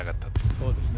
そうですね。